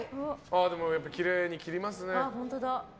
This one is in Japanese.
でもきれいに切りますね。